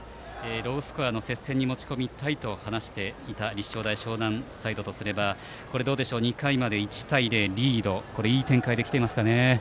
ロースコアの接戦に持ち込みたいと話していた立正大淞南サイドとすればどうでしょう２回まで１対０でリードいい展開できていますかね。